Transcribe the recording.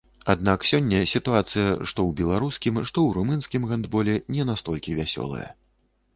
Аднак сёння сітуацыя, што ў беларускім, што ў румынскім гандболе не настолькі вясёлая.